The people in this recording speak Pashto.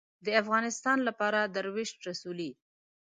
د افغانستان لپاره دروېش رسولې